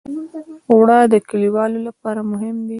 اوړه د کليوالو لپاره مهم دي